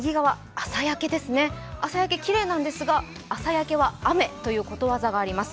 朝焼けきれいなんですが、朝焼けは雨ということわざがあります。